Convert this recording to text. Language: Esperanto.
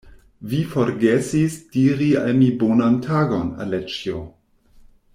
Vi forgesis diri al mi bonan tagon, Aleĉjo!